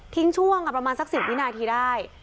ทิ้งช่วงประมาณสัก๑๐นาทีได้